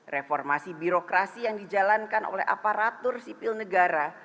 reformasi birokrasi yang dijalankan oleh aparatur sipil negara